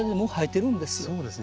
そうですね。